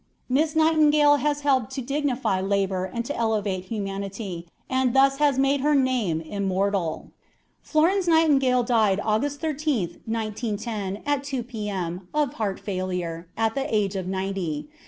Miss Nightingale has helped to dignify labor and to elevate humanity, and has thus made her name immortal. Florence Nightingale died August 13, 1910, at 2 P.M., of heart failure, at the age of ninety.